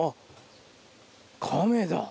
カメだ。